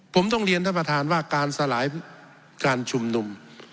ผมต้องเรียนท่านประธานว่าการสลายการชุมนุม